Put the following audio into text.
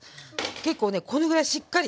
結構ねこのぐらいしっかり。